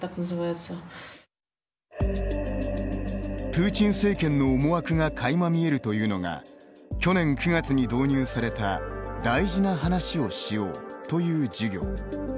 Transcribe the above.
プーチン政権の思惑がかいま見えるというのが去年９月に導入された「大事な話をしよう」という授業。